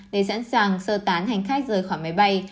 để sẵn sàng sơ tán hành khách rời khỏi máy bay